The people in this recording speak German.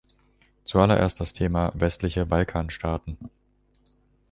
Zuallererst das Thema westliche Balkanstaaten.